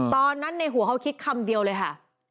ตอนนั้นในหัวเขาคิดคำเดียวเลยค่ะ